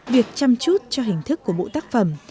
việc chăm chút cho hình thức của bộ tác phẩm